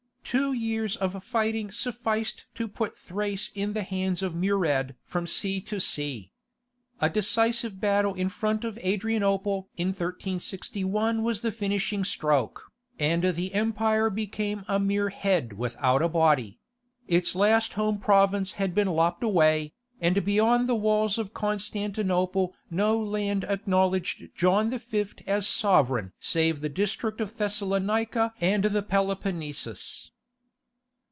Two years of fighting sufficed to put Thrace in the hands of Murad from sea to sea. A decisive battle in front of Adrianople in 1361 was the finishing stroke, and the empire became a mere head without a body; its last home province had been lopped away, and beyond the walls of Constantinople no land acknowledged John V. as sovereign save the district of Thessalonica and the Peloponnesus.